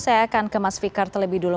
saya akan ke mas fikar terlebih dulu